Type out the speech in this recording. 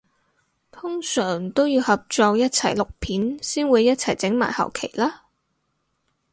通常都要合作一齊錄片先會一齊整埋後期啦？